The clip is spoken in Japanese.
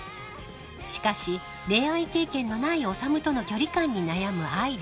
［しかし恋愛経験のない修との距離感に悩む愛梨］